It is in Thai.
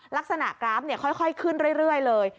ลักษณะกราฟเนี่ยค่อยขึ้นเรื่อยเลย